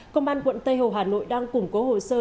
công an quận tây hồ hà nội đang củng cố hồ sơ